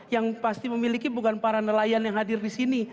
yang pasti memiliki bukan para nelayan yang hadir di sini